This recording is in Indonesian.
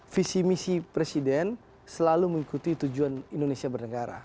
visi misi presiden selalu mengikuti tujuan indonesia bernegara